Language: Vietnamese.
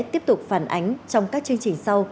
tiếp tục phản ánh trong các chương trình sau